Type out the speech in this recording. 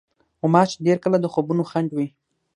غوماشې ډېر کله د خوبونو خنډ وي.